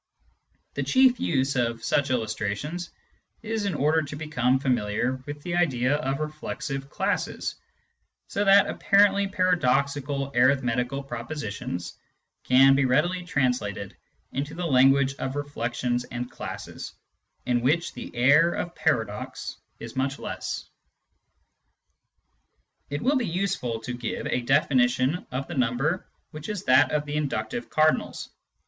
The, chief use of such illustrations is in order to become familiar with the idea of reflexive classes, so that apparently paradoxical arithmetical propositions can be readily translated into the language of reflexions and classes, in which the air of paradox is much less. It will be useful to give a definition of the number which is that of the inductive cardinals.